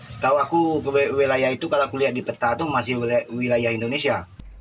setahu aku wilayah itu kalau aku lihat di peta itu masih wilayah indonesia